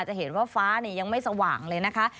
จะเห็นว่าฟ้ายังไม่สว่างเลยนะคะ